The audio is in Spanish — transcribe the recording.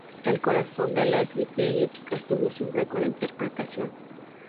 El corazón de Leslie Phillips estuvo siempre con la interpretación.